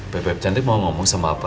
beb beb cantik mau ngomong sama apa